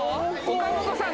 岡本さん